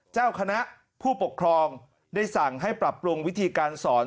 เจ้าคณะผู้ปกครองได้สั่งให้ปรับปรุงวิธีการสอน